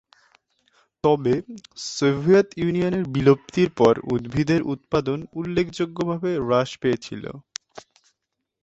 তবে, সোভিয়েত ইউনিয়নের বিলুপ্তির পর, উদ্ভিদের উৎপাদন উল্লেখযোগ্যভাবে হ্রাস পেয়েছিল।